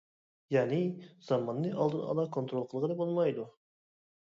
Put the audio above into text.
يەنى زاماننى ئالدىنئالا كونترول قىلغىلى بولمايدۇ.